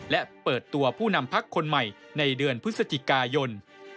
และเปิดตัวผู้นำพักคนใหม่ในเดือนพฤศจิกายน